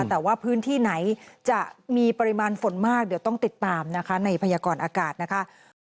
แต่ว่าพื้นที่ไหนจะมีปริมาณฝนมากเดี๋ยวต้องติดตามนะคะในพยากรอากาศนะคะ